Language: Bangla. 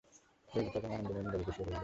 ললিতা এবং আনন্দময়ী নীরবে বসিয়া রহিল।